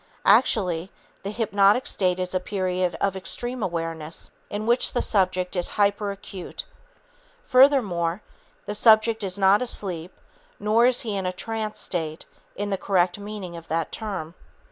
Actually, the hypnotic state is a period of extreme awareness in which the subject is hyperacute. Furthermore, the subject is not asleep, nor is he in a trance state in the correct meaning of that term.